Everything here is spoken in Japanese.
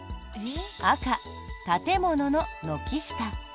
赤、建物の軒下。